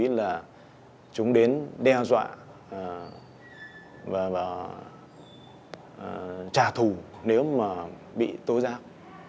nên là chúng đến đe dọa và trả thù nếu mà bị tố giáp